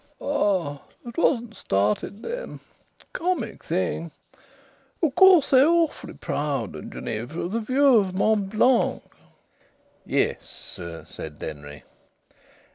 "Ah! It wasn't started then. Comic thing! Of course they're awfully proud in Geneva of the view of Mont Blanc." "Yes," said Denry.